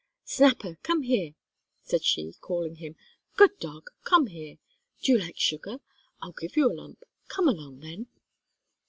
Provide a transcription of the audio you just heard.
"Snapper, come here," said she, calling him. "Good dog, come here. Do you like sugar? I'll give you a lump. Come along, then."